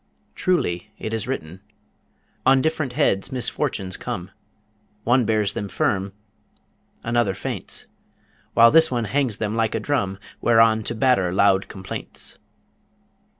Truly is it written: On different heads misfortunes come: One bears them firm, another faints, While this one hangs them like a drum Whereon to batter loud complaints.